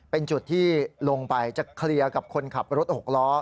เป็นจุดที่ลงไปจะเคลียร์กับคนขับรถหกล้อ